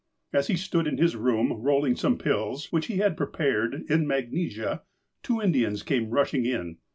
As he stood in his room rolling some pills, which he had prepared, in magnesia, two Indians came rushing in.